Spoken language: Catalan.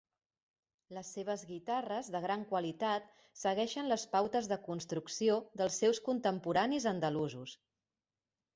Les seves guitarres, de gran qualitat, segueixen les pautes de construcció dels seus contemporanis andalusos.